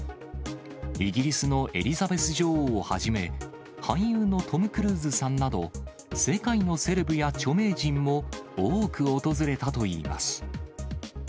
イギリスのエリザベス女王をはじめ、俳優のトム・クルーズさんなど、世界のセレブや著名人も多く訪れたといいます。